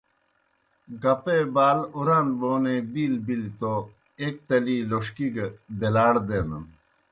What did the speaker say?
گپے بال اُران بونے بِیل بِلیْ توْ ایْک تلی لوݜکی گہ بیلاڑ دینَن۔